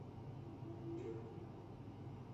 که عنصر دوه الکترونونه د لاسه ورکړي چارج یې مثبت دوه دی.